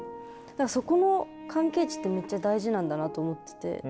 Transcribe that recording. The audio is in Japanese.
だからそこの関係値ってめっちゃ大事なんだなと思ってて。